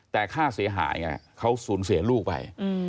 แต่ค่าเสียหายไงเขาสูญเสียลูกไป